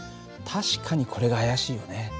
確かにこれが怪しいよね。